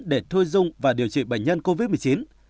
để thôi dung và điều trị bệnh nhân covid một mươi chín